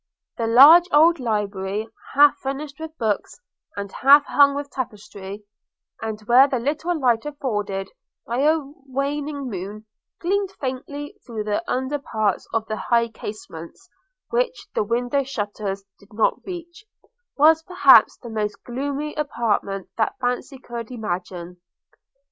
The large old library, half furnished with books and half hung with tapestry, and where the little light afforded by a waning moon gleamed faintly through the upper parts of the high casements which the window shutters did not reach, was perhaps the most gloomy apartment that fancy could imagine.